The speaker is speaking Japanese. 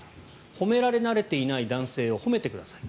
褒められ慣れていない男性を褒めてください。